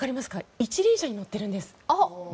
一輪車に乗っているんです。